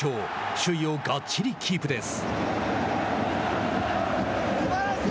首位をがっちりキープです。